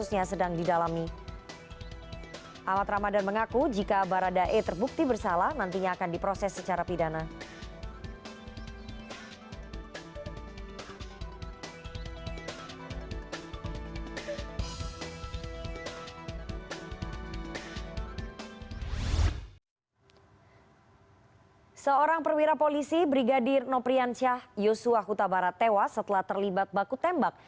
setelah terlibat baku tembak